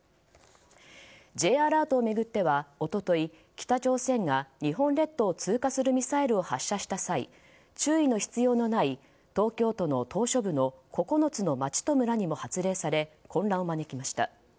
Ｊアラートを巡っては一昨日、北朝鮮が日本列島を通過するミサイルを発射した際注意の必要のない東京都の島しょ部の９つの町と村にも発令され混乱を招きました。